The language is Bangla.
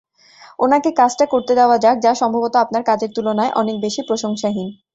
ওনাকে কাজটা করতে দেওয়া যাক যা সম্ভবত আপনার কাজের তুলনায় অনেক বেশি প্রশংসাহীন।